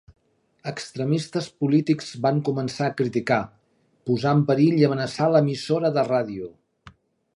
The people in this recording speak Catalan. Extremistes polítics van començar a criticar, posar en perill i amenaçar l'emissora de ràdio.